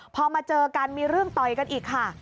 พอมาเจอกันมีเรื่องต่อยกันอีกค่ะ